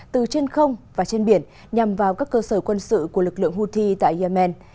từ trên không và trên biển nhằm vào các cơ sở quân sự của lực lượng houthi tại yemen